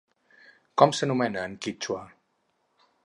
Com s'anomena en quítxua?